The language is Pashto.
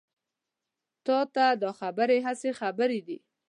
تا ته دا خبرې هسې خبرې دي.